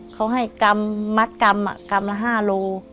เขาให้มัดกรรมละ๕โล